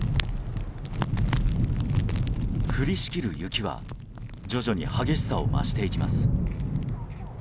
降りしきる雪は徐々に激しさを増していきます。